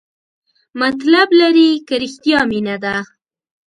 مطلب لري که رښتیا مینه ده؟